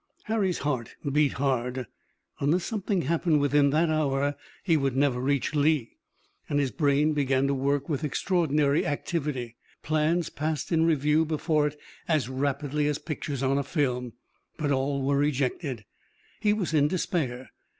Harry's heart beat hard. Unless something happened within that hour he would never reach Lee, and his brain began to work with extraordinary activity. Plans passed in review before it as rapidly as pictures on a film, but all were rejected. He was in despair.